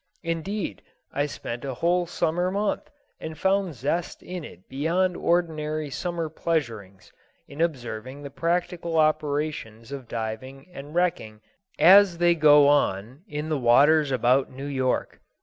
Indeed, I spent a whole summer month and found zest in it beyond ordinary summer pleasurings in observing the practical operations of diving and wrecking as they go on in the waters about New York.